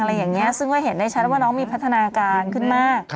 อะไรอย่างนี้ซึ่งก็เห็นได้ชัดแล้วว่าน้องมีพัฒนาการขึ้นมาก